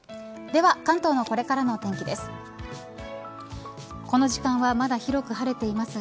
では関東のこれからのお天気です。